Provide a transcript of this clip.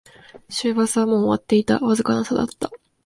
終バスはもう終わっていた、わずかな差だった